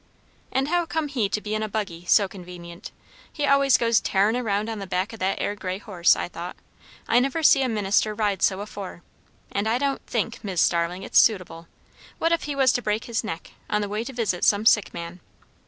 "And how come he to be in a buggy, so convenient? He always goes tearin' round on the back of that 'ere grey horse, I thought. I never see a minister ride so afore; and I don't think, Mis' Starling, it's suitable. What if he was to break his neck, on the way to visit some sick man?"